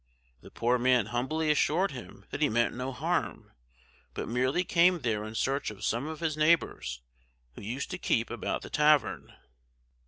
The poor man humbly assured him that he meant no harm, but merely came there in search of some of his neighbors, who used to keep about the tavern.